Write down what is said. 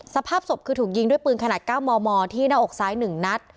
สภาพศพคือถูกยิงด้วยปืนขนาด๙มมที่หน้าอกซ้าย๑นัด